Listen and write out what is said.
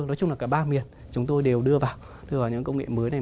nói chung là cả ba miền chúng tôi đều đưa vào những công nghệ mới này